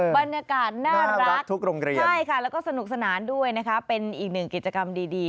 บรรยากาศน่ารักทุกโรงเรียนใช่ค่ะแล้วก็สนุกสนานด้วยนะคะเป็นอีกหนึ่งกิจกรรมดี